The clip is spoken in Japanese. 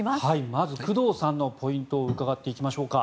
まず工藤さんのポイントを伺っていきましょうか。